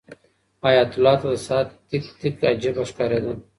حیات الله ته د ساعت تیک تیک عجیبه ښکارېده.